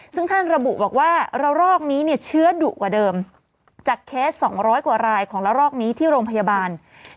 ซึ่งท่านระบุบอกว่าระลอกนี้เนี่ยเชื้อดุกว่าเดิมจากเคส๒๐๐กว่ารายของละรอกนี้ที่โรงพยาบาล